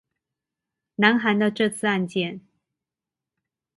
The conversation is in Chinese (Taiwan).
南韓的這次案件